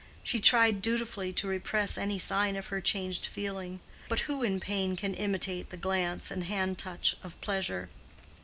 She tried dutifully to repress any sign of her changed feeling; but who in pain can imitate the glance and hand touch of pleasure.